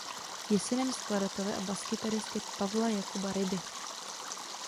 Je synem skladatele a baskytaristy Pavla Jakuba Ryby.